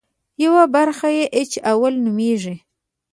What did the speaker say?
یوه برخه یې اېچ اول نومېږي.